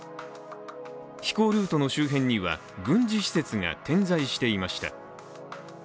飛行ルートの周辺には軍事施設が点在していました。